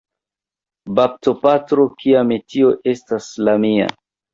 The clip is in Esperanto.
Baptopatro, kia metio estas la mia!